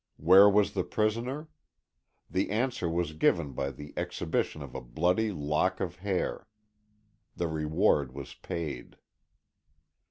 Where was the prisoner? The answer was given by the exhibition of a bloody lock of hair the reward was paid.